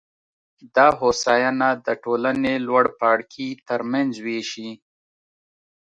دا هوساینه د ټولنې لوړ پاړکي ترمنځ وېشي